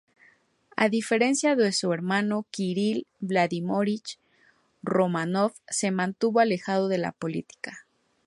A diferencia de su hermano Kiril Vladímirovich Románov se mantuvo alejado de la política.